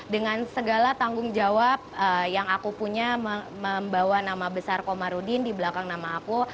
dengan segala tanggung jawab yang aku punya membawa nama besar komarudin di belakang nama aku